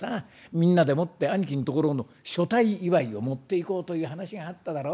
みんなでもって兄貴んところの所帯祝を持っていこうという話があっただろ」。